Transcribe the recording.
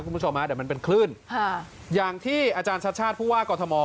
คุณผู้ชมฮะเดี๋ยวมันเป็นคลื่นค่ะอย่างที่อาจารย์ชัดชาติผู้ว่ากอทม